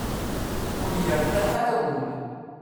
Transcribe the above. Ur yertaḥ ara wul.